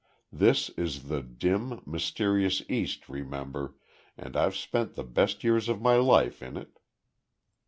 This is the dim, mysterious East, remember, and I've spent the best years of my life in it."